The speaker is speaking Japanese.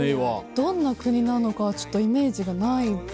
どんな国なのかはちょっとイメージがない。